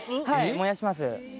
はい、燃やします。